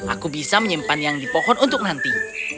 aku bisa menyimpan yang di pohon untuk nanti